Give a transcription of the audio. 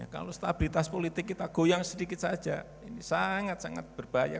kalau stabilitas politik kita goyang sedikit saja ini sangat sangat berbahaya